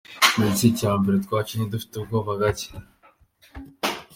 "Mu gice cya mbere, twakinnye dufite ubwoba gacye.